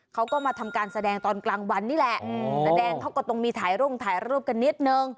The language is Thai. เขาก็มาทำการแสดงตอนกลางวันนี่แหละตาแดงเขาก็ต้องมีถ่ายรุ่งถ่ายรูปกันนิดนึง